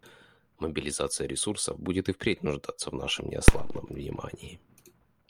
Мобилизация ресурсов будет и впредь нуждаться в нашем неослабном внимании.